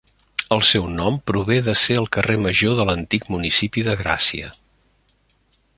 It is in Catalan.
El seu nom prové de ser el carrer major de l'antic municipi de Gràcia.